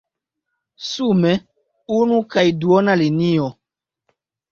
Sume: unu kaj duona linio.